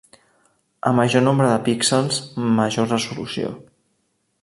A major nombre de píxels, major resolució.